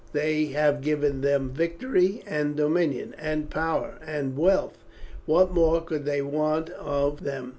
They have given them victory, and dominion, and power, and wealth. What more could they want of them?